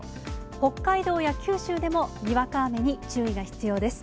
北海道や九州でもにわか雨に注意が必要です。